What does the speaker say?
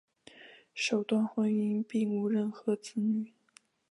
首段婚姻并无任何子女。